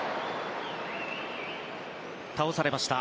倒されました。